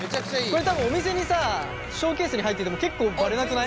これ多分お店にさショーケースに入ってても結構バレなくない？